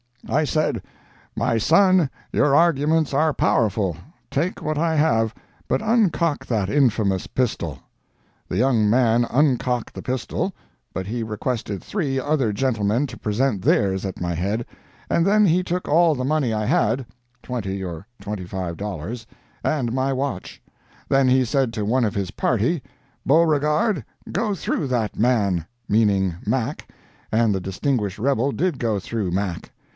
I said, "My son, your arguments are powerful—take what I have, but uncock that infamous pistol." The young man uncocked the pistol (but he requested three other gentlemen to present theirs at my head) and then he took all the money I had ($20 or $25), and my watch. Then he said to one of his party, "Beauregard, go through that man!"—meaning Mac—and the distinguished rebel did go through Mac.